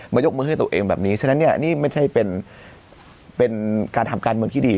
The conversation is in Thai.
ยกมือให้ตัวเองแบบนี้ฉะนั้นเนี่ยนี่ไม่ใช่เป็นการทำการเมืองที่ดี